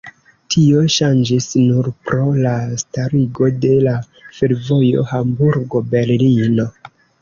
Tio ŝanĝis nur pro la starigo de la fervojo Hamburgo-Berlino.